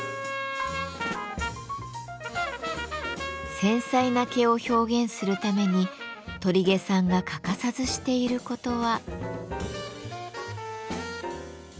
繊細な毛を表現するために鳥毛さんが欠かさずしていることは。